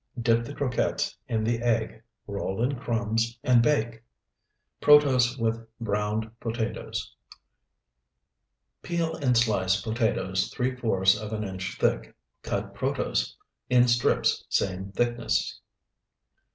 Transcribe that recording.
Dip the croquettes in the egg, roll in crumbs, and bake. PROTOSE WITH BROWNED POTATOES Peel and slice potatoes three fourths of an inch thick. Cut protose in strips same thickness.